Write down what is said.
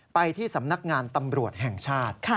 ไปที่สำนักงานตำรวจแห่งชาติ